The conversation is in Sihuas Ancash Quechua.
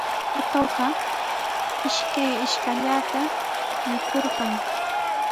Atuqqa ishkay ashkallaata mikurqan.